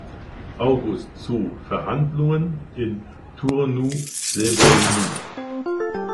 August zu Verhandlungen in Turnu Severin.